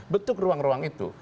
betuk ruang ruang itu